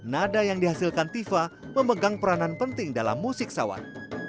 nada yang dihasilkan tifa memegang peranan penting dalam musik sawan